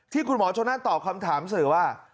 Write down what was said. คุณหมอชนนั่นตอบคำถามสื่อว่า